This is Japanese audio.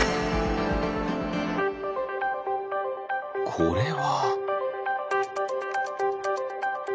これは？